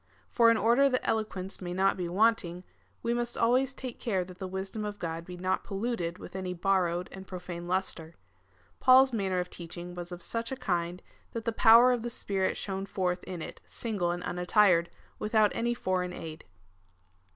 For in order that eloquence may not be want ing, we must always take care that the wisdom of Grod be not polluted with any borrowed and profane lustre. Paul's manner of teaching was of such a kind, that the power of the Spirit shone forth in it single and unattired, without any foreign aid.